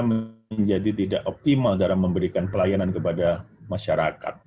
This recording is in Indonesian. menjadi tidak optimal dalam memberikan pelayanan kepada masyarakat